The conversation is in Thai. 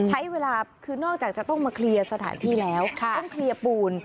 ใช้เวลาคือนอกจากจะต้องมาเคลียร์สถานที่แล้วต้องเคลียร์ปูน